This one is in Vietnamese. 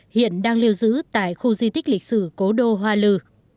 hiện đang lưu giữ tại khu di tích lịch sử cố đô hoa lư